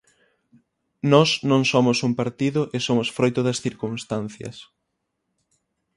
Nós non somos un partido e somos froito das circunstancias.